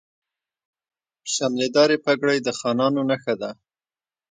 شملې دارې پګړۍ د خانانو نښه ده.